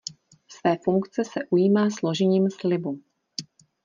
Své funkce se ujímá složením slibu.